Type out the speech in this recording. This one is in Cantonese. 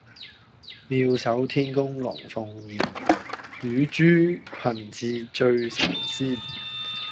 妙手天工龍鳳宴，乳豬裙翅醉神仙